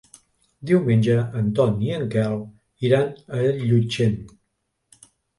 Diumenge en Ton i en Quel iran a Llutxent.